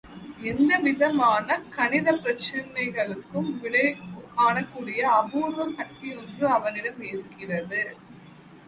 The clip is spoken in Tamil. எந்த விதமான கணித பிரச்சனைகளுக்கும் விடைகாணக்கூடிய அபூர்வ சக்தியொன்று அவனிடம் இருக்கிறது.